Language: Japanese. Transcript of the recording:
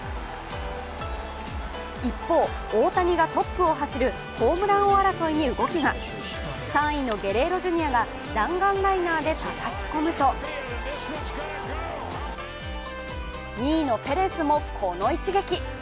一方、大谷がトップを走るホームラン王争いに動きが３位のゲレーロジュニアが弾丸ライナーでたたき込むと２位のペレスもこの一撃。